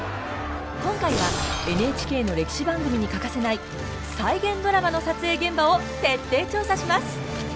今回はＮＨＫの歴史番組に欠かせない再現ドラマの撮影現場を徹底調査します！